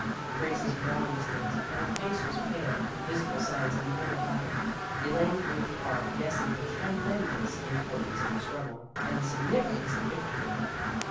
Grace's brow was knit, and her face was pale, visible signs of an inner battle. Elaine breathed hard, guessing the tremendous importance of the struggle, and the significance of victory.